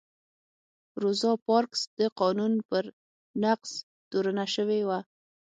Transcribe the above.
روزا پارکس د قانون پر نقض تورنه شوې وه.